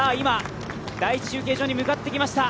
第１中継所に向かってきました。